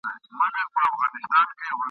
په هغه ګړې پر څټ د غوايی سپور سو !.